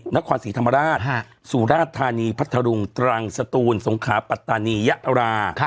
นครศรีธรรมราชสุราชธานีพัทธรุงตรังสตูนสงขาปัตตานียะรา